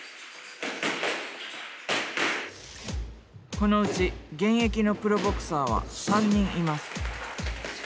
このうち現役のプロボクサーは３人います。